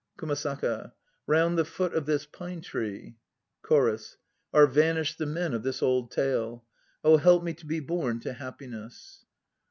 KUMASAKA. Round the foot of this pine tree CHORUS. Are vanished the men of this old tale. "Oh, help me to be born to happiness."